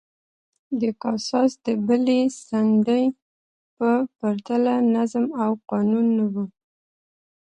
د کاساس د بلې څنډې په پرتله نظم او قانون نه و